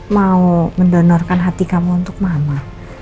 mau mendonorkan hati kamu untuk mama